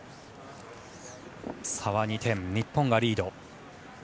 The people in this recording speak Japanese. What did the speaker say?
差は２点、日本がリード。